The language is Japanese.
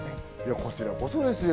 こちらこそですよ。